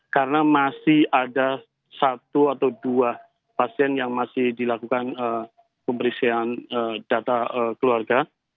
karena masih ada satu atau dua pasien yang masih dilakukan pemeriksaan data keluarga